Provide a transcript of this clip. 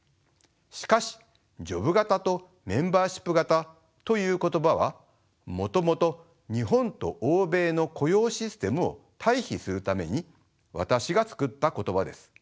しかしジョブ型とメンバーシップ型という言葉はもともと日本と欧米の雇用システムを対比するために私が作った言葉です。